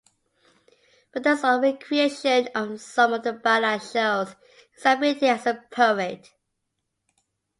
Vedel's own re-creation of some of the ballads shows his ability as a poet.